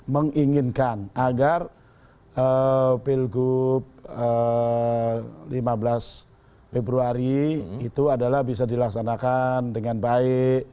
menginginkan agar pilgub lima belas februari itu adalah bisa dilaksanakan dengan baik